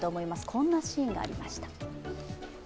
こんなシーンがありました。